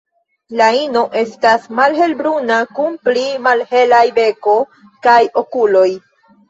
La ino estas malhelbruna kun pli malhelaj beko kaj okuloj.